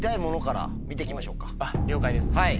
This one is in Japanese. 了解です。